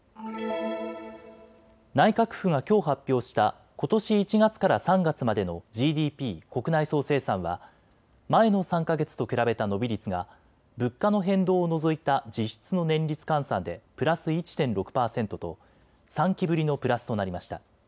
内閣府がきょう発表したことし１月から３月までのＧＤＰ・国内総生産は前の３か月と比べた伸び率が物価の変動を除いた実質の年率換算でプラス１．６％と３期ぶりのプラスとなりました。